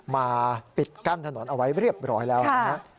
มาปิดกั้นถนนเอาไว้เรียบร้อยแล้วนะฮะ